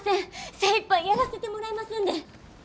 精いっぱいやらせてもらいますんで。